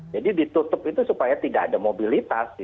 jadi ditutup itu supaya tidak ada mobilitas